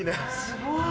すごい。